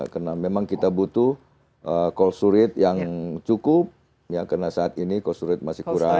karena memang kita butuh kalsurit yang cukup ya karena saat ini kalsurit masih kurang